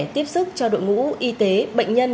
tiếp sức cho đội ngũ y tế bệnh nhân